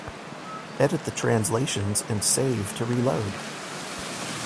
Edit the translations and save to reload!